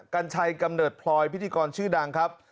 กัญชัยกำเนิดพลอยพิธีกรชื่อดังครับ